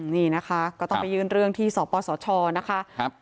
นี่นะคะก็ต้องไปยื่นเรื่องที่สปสชนะคะ